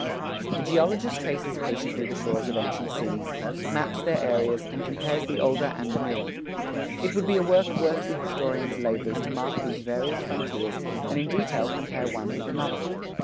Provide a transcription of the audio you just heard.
The geologist traces patiently the shores of ancient seas, maps their areas, and compares the older and the newer. It would be a work worth the historian's labors to mark these various frontiers and in detail compare one with another.